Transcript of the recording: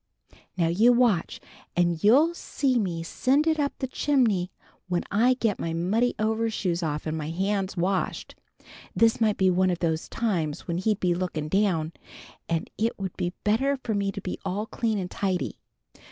"Now you watch, and you'll see me send it up the chimney when I get my muddy overshoes off and my hands washed. This might be one of the times when he'd be looking down, and it'd be better for me to be all clean and tidy."